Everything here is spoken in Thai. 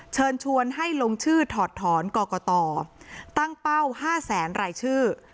เชิญชวนให้ลงชื่อถอดถอนกรกตตั้งเป้า๕แสนรายชื่อ